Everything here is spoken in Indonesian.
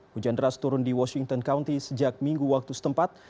hujan deras turun di washington county sejak minggu waktu setempat